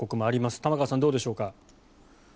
玉川さん、どうでしょうか。